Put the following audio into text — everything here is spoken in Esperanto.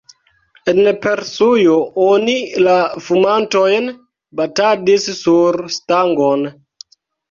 En Persujo oni la fumantojn batadis sur stangon.